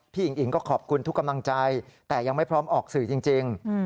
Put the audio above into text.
อิงอิ๋งก็ขอบคุณทุกกำลังใจแต่ยังไม่พร้อมออกสื่อจริง